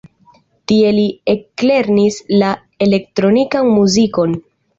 Tie li eklernis la elektronikan muzikon.